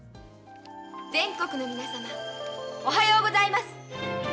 全国の皆様おはようございます！